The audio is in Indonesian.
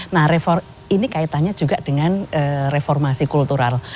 nah ini kaitannya juga dengan reformasi kultural